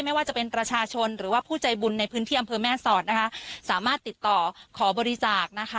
ไม่ว่าจะเป็นประชาชนหรือว่าผู้ใจบุญในพื้นที่อำเภอแม่สอดนะคะสามารถติดต่อขอบริจาคนะคะ